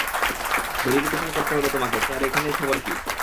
Verification করতে হবে তোমাকে স্যার এইখানের খবর কী?